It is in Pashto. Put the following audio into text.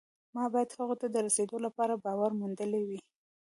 ما باید هغه ته د رسېدو لپاره باور موندلی وي